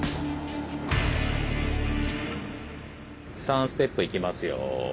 ３ステップいきますよ。